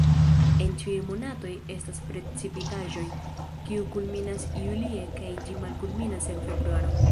En ĉiuj monatoj estas precipitaĵoj, kiu kulminas julie kaj ĝi malkulminas en februaro.